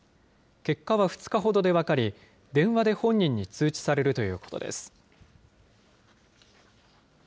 結果は２日ほどで分かり、電話で本人に通知されるということです。